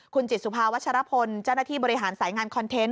คุณจิตสุภาวัชรพลเจ้าหน้าที่บริหารสายงานคอนเทนต